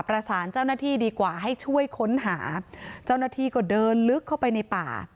ประสานเจ้าหน้าที่ดีกว่าให้ช่วยค้นหาเจ้าหน้าที่ก็เดินลึกเข้าไปในป่า